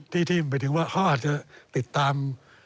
ที่ที่มันไปถึงว่าเขาอาจจะติดตาม